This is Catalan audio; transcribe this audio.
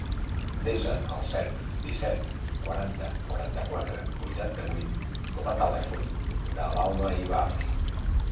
Desa el set, disset, quaranta, quaranta-quatre, vuitanta-vuit com a telèfon de l'Alba Ibarz.